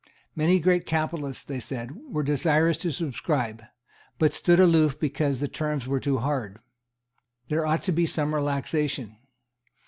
Many great capitalists, they said, were desirous to subscribe, but stood aloof because the terms were too hard. There ought to be some relaxation.